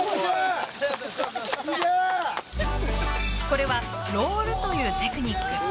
これは「ロール」というテクニック。